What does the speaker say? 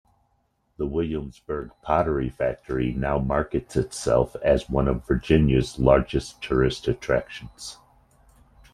The Williamsburg Pottery Factory now markets itself as one of Virginia's largest tourist attractions.